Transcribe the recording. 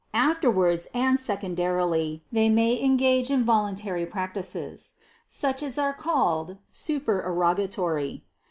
Afterwards and secondarily they may engage in voluntary practices, such as are called supererogatory.